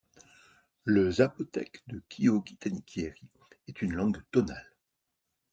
Le zapotèque de Quioquitani-Quierí est une langue tonale.